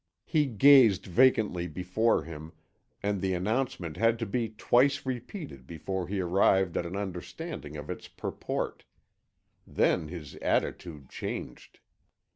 He gazed vacantly before him, and the announcement had to be twice repeated before he arrived at an understanding of its purport; then his attitude changed.